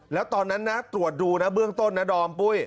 แล้วตอนนั้นนะตรวจดูนะเบื้องต้นนะดอมปุ้ย